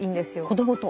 子どもと？